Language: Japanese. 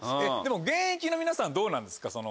でも現役の皆さんはどうなんですか？